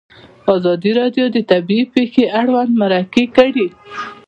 ازادي راډیو د طبیعي پېښې اړوند مرکې کړي.